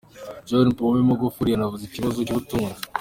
John Pombe Magufuli yanavuze ikibazo cy’ubutunzi.